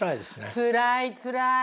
つらいつらい。